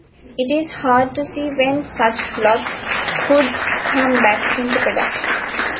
It is hard to see when such plots could come back into production.